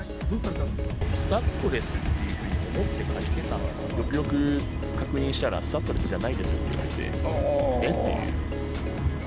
スタッドレスっていうふうに思って借りてたんですけど、よくよく確認したら、スタッドレスじゃないですって言われて、え？っていう。